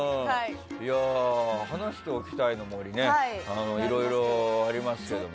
話しておきたいの森いろいろありますけど。